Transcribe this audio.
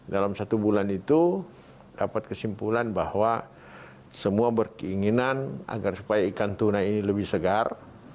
dalam satu bulan itu dapat kesimpulan bahwa semua berkeinginan agar supaya ikan tuna ini lebih segar